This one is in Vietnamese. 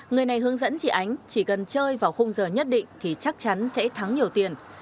người này hướng dẫn chị ánh chỉ cần chơi vào khung giờ nhất định thì chắc chắn sẽ thắng nhiều tiền